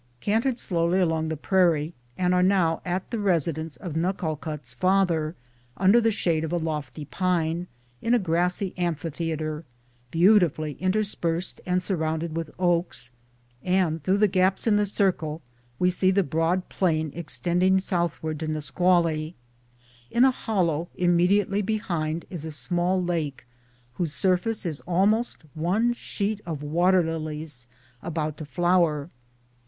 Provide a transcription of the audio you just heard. Cantered slowly along the prairie a'nd are now at the residence of Nuckalkut's father, under the shade of a lofty pine, in a grassy amphitheatre, beautifully interspersed and surrounded with oaks, and through the gaps in the circle we see the broad plain extending southwards to Nusqually. In a hollow immediately behind is a small lake whose surface is almost one sheet of waterlilies about to flower.